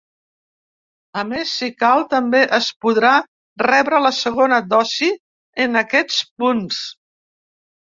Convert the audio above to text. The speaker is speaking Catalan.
A més, si cal, també es podrà rebre la segona dosi en aquests punts.